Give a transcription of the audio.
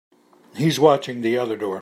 He's watching the other door.